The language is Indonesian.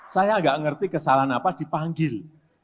saya nggak ngerti kesalahan apa dipanggil